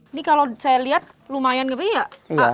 ini kalau saya lihat lumayan gede ya